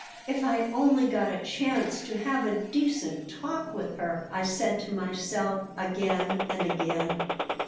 "If I only got a chance to have a decent talk with her!" I said to myself again and again.